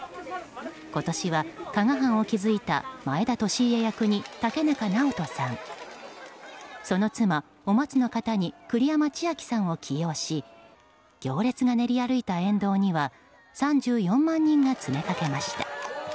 今年は加賀藩を築いた前田利家役に竹中直人さんその妻・お松の方に栗山千明さんを起用し行列が練り歩いた沿道には３４万人が詰めかけました。